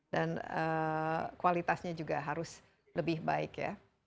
dan kualitasnya juga harus lebih baik ya